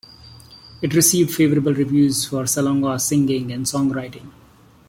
It received favourable reviews for Salonga's singing and songwriting.